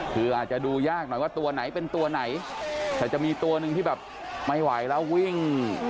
คืออาจจะดูยากหน่อยว่าตัวไหนเป็นตัวไหนแต่จะมีตัวหนึ่งที่แบบไม่ไหวแล้ววิ่ง